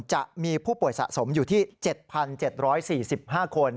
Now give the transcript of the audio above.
จะมีผู้ป่วยสะสมอยู่ที่๗๗๔๕คน